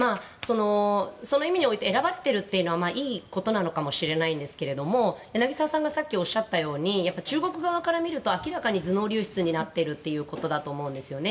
その意味において選ばれているというのはいいことかもしれませんが柳澤さんがさっき、おっしゃったように中国側から見ると明らかに頭脳流出になっているんだと思うんですよね。